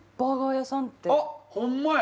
あっホンマや。